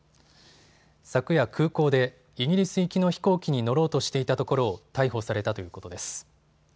昨夜、空港でイギリス行きの飛行機に乗ろうとしていたところを逮捕されたということです。